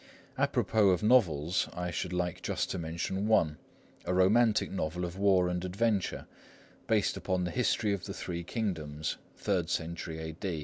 À propos of novels, I should like just to mention one, a romantic novel of war and adventure, based upon the History of the Three Kingdoms, third century A.